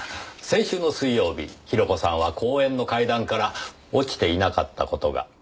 先週の水曜日広子さんは公園の階段から落ちていなかった事が。